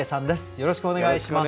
よろしくお願いします。